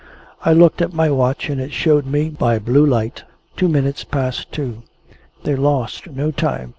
I looked at my watch, and it showed me, by the blue light, ten minutes past two. They lost no time.